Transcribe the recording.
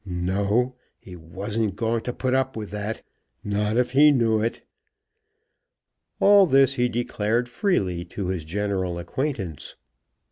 "No; he wasn't going to put up with that; not if he knew it." All this he declared freely to his general acquaintance.